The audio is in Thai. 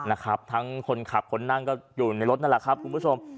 นะครับทั้งคนขับคนนั่งก็อยู่ในรถนั่นแหละครับคุณผู้ชม